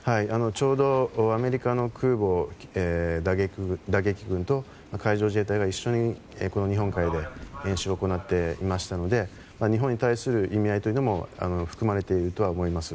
ちょうどアメリカの空母と打撃群と海上自衛隊が一緒に日本海で演習を行っていましたので日本に対する意味合いというのも含まれていると思います。